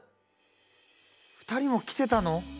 ２人も来てたの！？